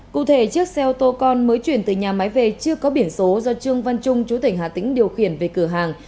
cụ thể chiếc xe ô tô con mới chuyển từ nhà máy về chưa có biển số do trương văn trung chú tỉnh hà tĩnh điều khiển về cửa hàng